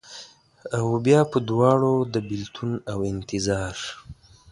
اوبیا په دواړو، د بیلتون اوانتظار